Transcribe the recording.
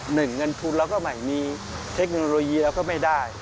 เงินทุนเราก็ไม่มีเทคโนโลยีเราก็ไม่ได้